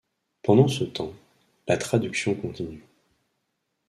Pendant ce temps, la traduction continue.